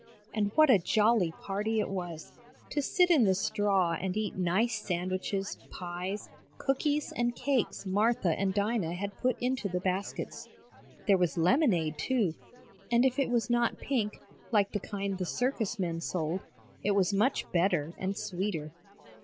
And what a jolly party it was, to sit in the straw and eat nice sandwiches, pies, cookies and cakes Martha and Dinah had put into the baskets. There was lemonade, too, and if it was not pink, like the kind the circus men sold, it was much better and sweeter.